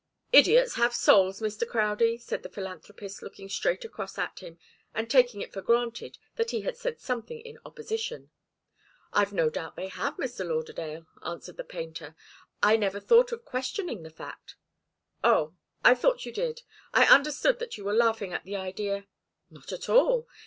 "Idiots have souls, Mr. Crowdie," said the philanthropist, looking straight across at him, and taking it for granted that he had said something in opposition. "I've no doubt they have, Mr. Lauderdale," answered the painter. "I never thought of questioning the fact." "Oh! I thought you did. I understood that you were laughing at the idea." "Not at all.